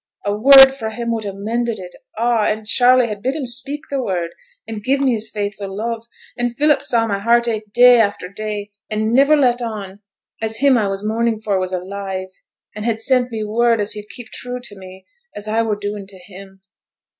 A word fra' him would ha' mended it a'; and Charley had bid him speak the word, and give me his faithful love, and Philip saw my heart ache day after day, and niver let on as him I was mourning for was alive, and had sent me word as he'd keep true to me, as I were to do to him.'